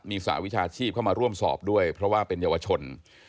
มีสหวิชาชีพเข้ามาร่วมสอบด้วยเพราะว่าเป็นเยาวชน